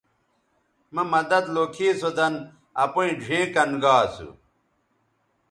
مہ مدد لوکھی سو دَن اپیئں ڙھیئں کَن گا اسو